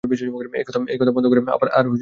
এই, কথা বন্ধ করো, আর কাজে যাও।